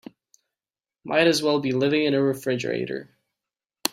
Might as well be living in a refrigerator.